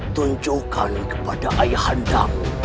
tunjukkan kepada ayah anda